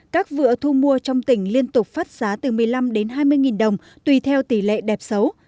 các vựa thu mua trong tỉnh liên tục phát giá từ một mươi năm đến hai mươi đồng tùy theo tỷ lệ đẹp xấu